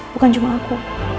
bukan cuma aku